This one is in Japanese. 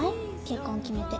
結婚決めて。